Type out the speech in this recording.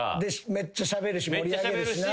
めっちゃしゃべるし盛り上げるしな。